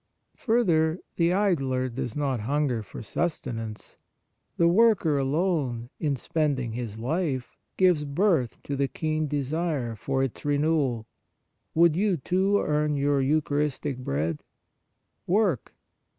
Further, the idler does not hunger for sus tenance ; the worker alone, in spend ing his life, gives birth to the keen desire for its renewal. Would you, too, earn your eucharistic Bread ? Work.